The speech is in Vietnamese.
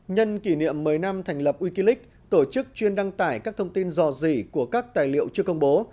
nhân kỷ niệm một mươi năm thành lập wikileak tổ chức chuyên đăng tải các thông tin dò dỉ của các tài liệu chưa công bố